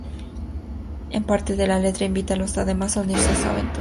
En parte de la letra invita a los demás a unirse a su aventura.